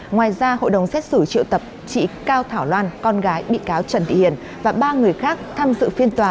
ngoài ra hội đồng xét xử triệu tập chị cao thảo loan con gái bị cáo trần thị hiền và ba người khác tham dự phiên tòa